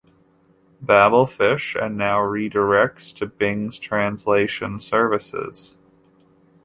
Babel Fish and now redirects to Bing's translation service.